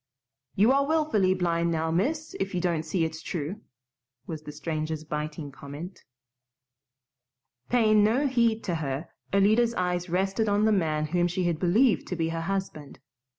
"You are willfully blind now, miss, if you don't see it's true," was the stranger's biting comment. Paying no heed to her, Alida's eyes rested on the man whom she had believed to be her husband.